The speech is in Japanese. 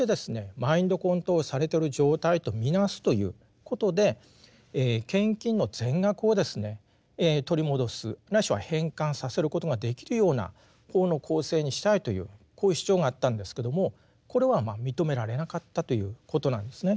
マインドコントロールされてる状態と見なすということで献金の全額をですね取り戻すないしは返還させることができるような法の構成にしたいというこういう主張があったんですけどもこれはまあ認められなかったということなんですね。